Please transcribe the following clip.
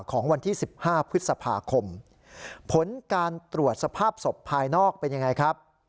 ของวันที่๑๕พฤษภาคมผลการตรวจสภาพศพภายนอกเป็นยังไงครับ